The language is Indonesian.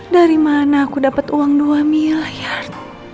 dari mana aku dapat uang dua miliar